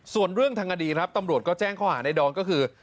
ส่วนเรื่องทางคดีครับตำรวจก็แจ้งข้อหาในดอนก็คือ